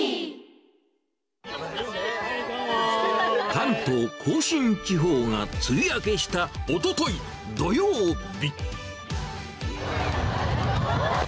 関東甲信地方が梅雨明けしたおととい土曜日。